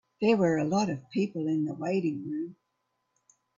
There were a lot of people in the waiting room.